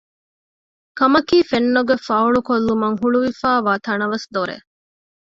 ކަމަކީ ފެންނަ ގޮތް ފައުޅު ކޮށްލުމަށް ހުޅުވިފައިވާ ތަނަވަސް ދޮރެއް